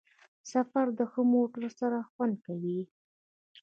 سفر د ښه موټر سره خوند کوي.